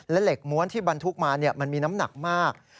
และเหล็กม้วนที่บรรทุกมามันมีน้ำหนักมาก